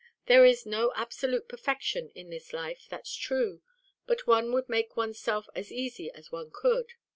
There is no absolute perfection in this life, that's true; but one would make one's self as easy as one could.